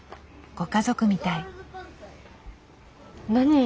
ご家族みたい。